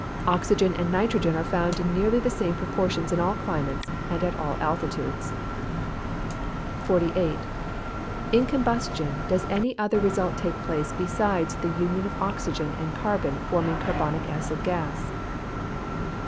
Oxygen and nitrogen are found in nearly the same proportions in all climates, and at all altitudes. 48. _In combustion does any other result take place besides the union of oxygen and carbon forming carbonic acid gas?